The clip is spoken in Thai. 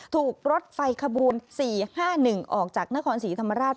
ถูกรถไฟขบูล๔๕๑ออกจากนครศรีธรรมราช